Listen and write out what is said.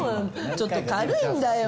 ちょっと軽いんだよ。